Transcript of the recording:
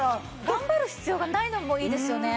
頑張る必要がないのもいいですよね。